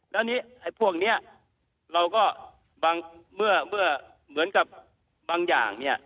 แล้วนี่ไอ้พวกนี้เราก็บางเมื่อเหมือนกับบางอย่างเนี่ย